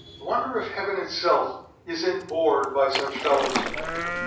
(I wonder if Heaven itself isn't bored by such fellows!)